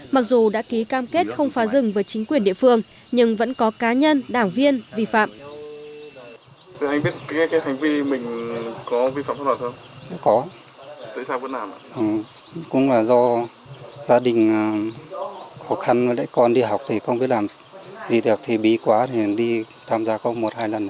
mặc dù đã ký cam kết không phá rừng với chính quyền địa phương nhưng vẫn có cá nhân đảng viên vi phạm